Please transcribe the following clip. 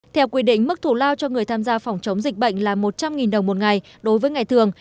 theo quy định mức thủ lao cho người tham gia phòng chống dịch bệnh là một trăm linh đồng một ngày đối với ngày thường